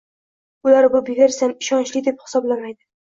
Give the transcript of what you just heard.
Ular bu versiyani ishonchli deb hisoblamaydi